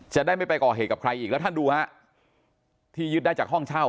จะได้ไม่ไปก่อเหตุกับใครอีกแล้วท่านดูฮะที่ยึดได้จากห้องเช่า